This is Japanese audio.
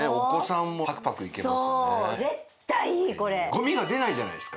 ゴミが出ないじゃないですか。